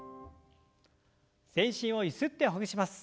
全身をゆすってほぐします。